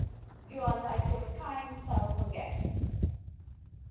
"You are like your kind self again."